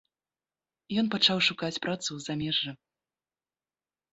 Ён пачаў шукаць працу ў замежжы.